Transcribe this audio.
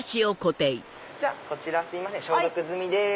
こちらすいません消毒済みです。